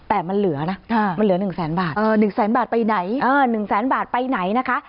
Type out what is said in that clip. แต่มันเหลือนะมันเหลือ๑แสนบาท๑แสนบาทไปไหน๑แสนบาทไปไหนนะคะ